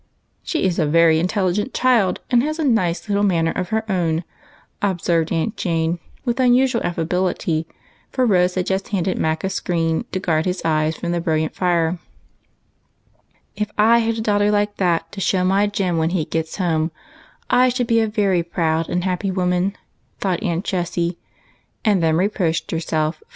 " She is a very intelligent child, and has a nice little manner of her own," observed Aunt Jane, with un usual affability ; for Rose had just handed Mac a screen to guard his eyes from the brilliant fire. " If I had a daughter like that to show my Jem when he gets home, I should be a very proud and happy woman," thought Aunt Jessie, and then re proached herself for not being perfectly satisfied with her four brave lads.